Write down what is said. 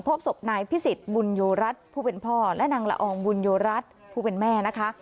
พบศพนายพิสิทธิ์บุญโยรัฐผู้เป็นพ่อและนางละอองบุญโยรัฐผู้เป็นแม่นะคะ